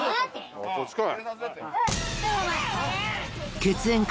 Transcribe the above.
おいこっち来い！